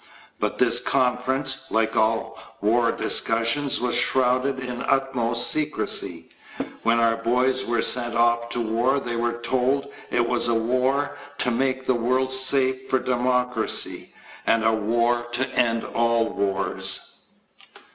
But this conference, like all war discussions, was shrouded in utmost secrecy. When our boys were sent off to war they were told it was a "war to make the world safe for democracy" and a "war to end all wars."